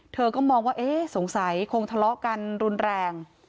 เธอก็มองว่าเอ๊ะสงสัยคงทะเลาะกันรุนแรง